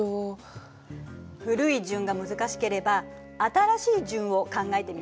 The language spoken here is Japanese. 古い順が難しければ新しい順を考えてみたら？